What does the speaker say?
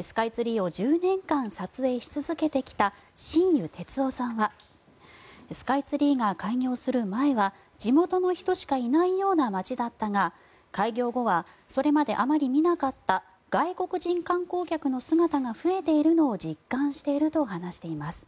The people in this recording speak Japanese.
スカイツリーを１０年間撮影し続けてきた新湯哲生さんはスカイツリーが開業する前は地元の人しかいないような街だったが開業後はそれまであまり見なかった外国人観光客の姿が増えているのを実感していると話しています。